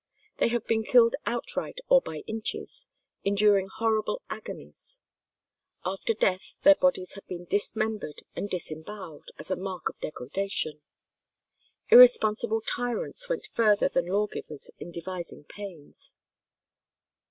They have been killed outright or by inches, enduring horrible agonies;[172:1] after death their bodies have been dismembered and disembowelled, as a mark of degradation. Irresponsible tyrants went further than lawgivers in devising pains.